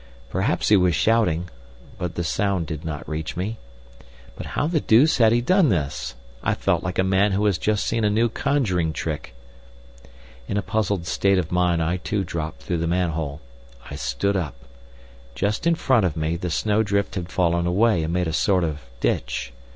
Perhaps he was shouting—but the sound did not reach me. But how the deuce had he done this? I felt like a man who has just seen a new conjuring trick. In a puzzled state of mind I too dropped through the manhole. I stood up. Just in front of me the snowdrift had fallen away and made a sort of ditch.